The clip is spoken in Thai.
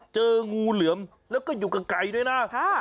เจองูเหลือมแล้วก็อยู่กับไก่ด้วยนะ